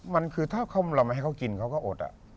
มันคือถ้าเราไม่ให้เขากินเขาก็อด